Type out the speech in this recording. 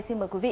xin mời quý vị